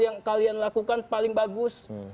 yang kalian lakukan paling bagus